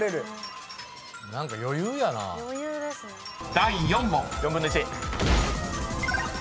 ［第４問］